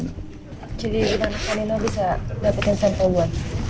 jadi mana pak nino bisa dapetin sampel buat